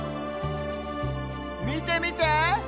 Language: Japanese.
みてみて！